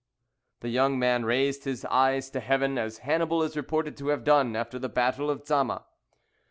The young man raised his eyes to heaven, as Hannibal is reported to have done after the battle of Zama.